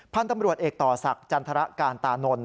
พันธุ์ตำรวจเอกต่อศักดิ์จันทรการตานนท์